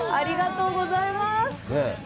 ありがとうございます。